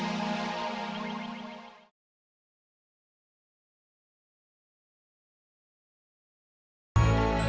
ya udah kita ke tempat ini